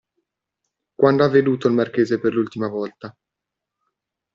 Quando ha veduto il marchese per l'ultima volta?